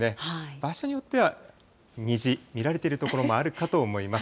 場所によっては虹、見られている所もあるかと思います。